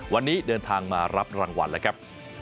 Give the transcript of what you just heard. วันนี้เดินทางมารับรางวัลแล้วครับ